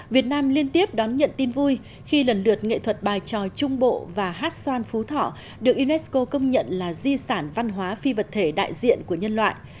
việt nam liên tiếp đón nhận tin vui khi lần lượt nghệ thuật bài tròi trung bộ và hát xoan phú thọ được unesco công nhận là di sản văn hóa phi vật thể đại diện của nhân loại